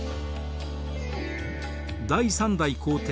第３代皇帝